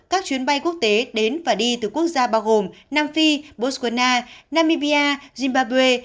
các chuyến bay quốc tế đến và đi từ quốc gia bao gồm nam phi botswana namibia zimbabwe